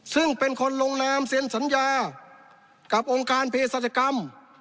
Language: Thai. ซึ่งเป็นคนลงนามเซ็นสัญญากับองค์การเพศรัชกรรม